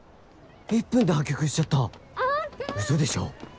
１分で破局しちゃったウソでしょ？